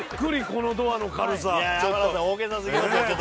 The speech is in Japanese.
このドアの軽さ。